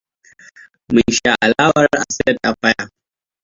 Mun sha alawar a state affair.